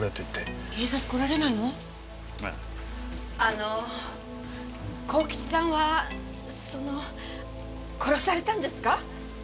あの幸吉さんはその殺されたんですか？